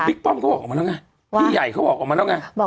ป้อมเขาบอกออกมาแล้วไงพี่ใหญ่เขาบอกออกมาแล้วไง